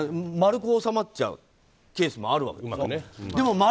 丸く収まっちゃうケースもあるわけでしょ。